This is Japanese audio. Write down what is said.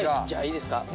じゃあいいですか？